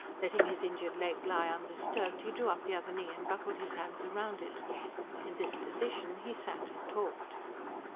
Letting his injured leg lie undisturbed, he drew up the other knee and buckled his hands round it. In this position he sat and talked.